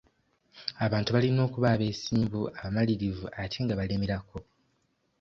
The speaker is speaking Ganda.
Abantu balina okuba abeesimbu, abamalirivu ate nga balemerako.